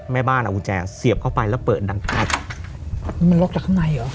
แม่บ้านเอากุญแจเสียบเข้าไปแล้วเปิดดังปั๊บมันล็อกจากข้างในเหรอ